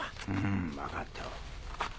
ん分かっておる。